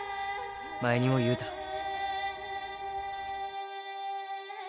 前にも言うた。